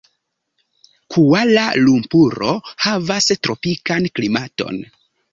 Kuala-Lumpuro havas tropikan klimaton.